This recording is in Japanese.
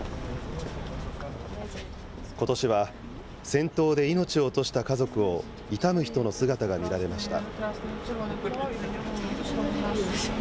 ことしは戦闘で命を落とした家族を悼む人の姿が見られました。